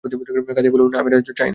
কাঁদিয়া বলিলেন, আমি এ রাজ্য চাই না।